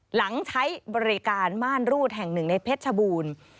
หลังใช้บริการม่านรูดแห่งหนึ่งในเพชรชบูรณ์